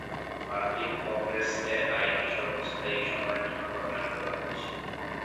মার্কিন কংগ্রেস এ আইন স্বল্পস্থায়ী সময়ের জন্য প্রণয়ন করেছিল।